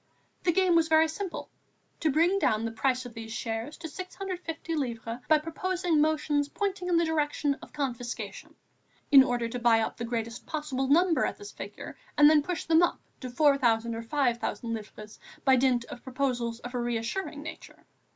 The game was very simple, to bring down the price of these shares to 650 livres by proposing motions pointing in the direction of confiscation, in order to buy up the greatest possible number at this figure and then push them up to 4,000 or 5,000 livres by dint of proposals of a reassuring nature.